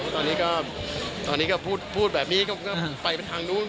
ตอนนี้ก็พูดแบบนี้ก็ไปทางนู้น